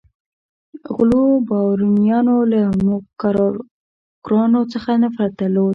غلو بارونیانو له موکراکرانو څخه نفرت درلود.